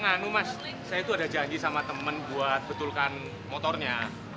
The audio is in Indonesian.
anu mas saya itu ada janji sama temen buat betulkan motornya